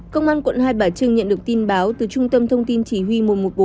công an quận hai bà trưng nhận được tin báo từ trung tâm thông tin chỉ huy một trăm một mươi bốn